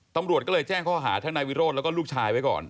ตำรวจก็เลยแจ้งข้อหาทั้งนายวิโรธแล้วก็ลูกชายไว้ก่อน